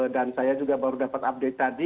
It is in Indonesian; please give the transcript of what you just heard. dan saya juga baru dapat update tadi